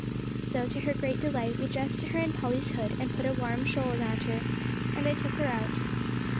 So, to her great delight, we dressed her in Polly's hood, and put a warm shawl round her, and I took her out.